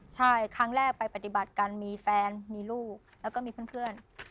ใช่ครั้งแรกไปปฏิบัติกันมีแฟนมีลูกแล้วก็มีเพื่อน